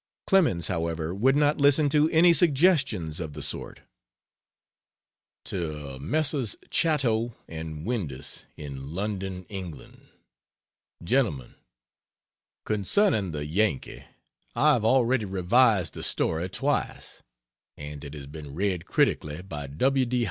Clemens, however, would not listen to any suggestions of the sort. To Messrs. Chatto & Windus, in London, Eng.: GENTLEMEN, Concerning The Yankee, I have already revised the story twice; and it has been read critically by W.